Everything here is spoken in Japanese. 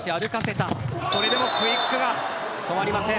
それでもクイックが止まりません。